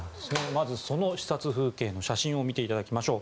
まず、視察風景の写真を見ていただきましょう。